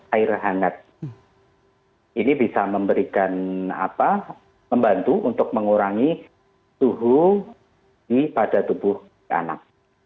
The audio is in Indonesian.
air hangat ini bisa memberikan apa membantu untuk mengurangi suhu pada tubuh anak